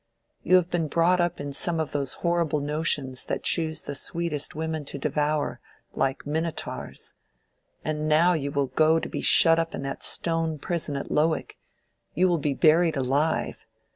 You have been brought up in some of those horrible notions that choose the sweetest women to devour—like Minotaurs. And now you will go and be shut up in that stone prison at Lowick: you will be buried alive.